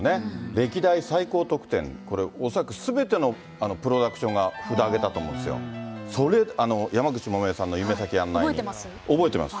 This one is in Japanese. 歴代最高得点、これ、恐らくすべてのプロダクションが札挙げたと思うんですよ、山口百覚えてます？